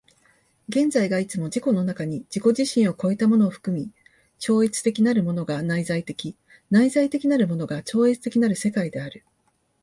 現在がいつも自己の中に自己自身を越えたものを含み、超越的なるものが内在的、内在的なるものが超越的なる世界である。